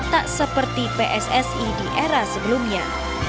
tak seperti pssi di era sebelumnya